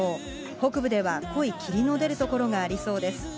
北部では濃い霧の出る所がありそうです。